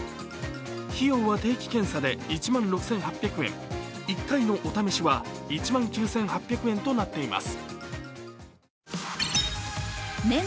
費用は定期検査で１万６８００円、１回のお試しは１万９８００円となっています。